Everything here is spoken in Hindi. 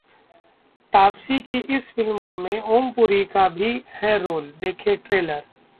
तापसी की इस फिल्म में ओम पुरी का भी है रोल, देखें ट्रेलर